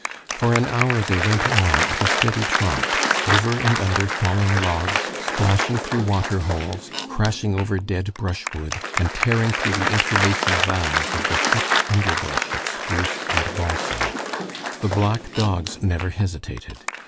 For an hour they went on at a steady trot, over and under fallen logs, splashing through water holes, crashing over dead brushwood, and tearing through the interlacing boughs of the thick underbrush of spruce and balsam. The black dogs never hesitated.